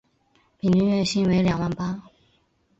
平均月薪为两万八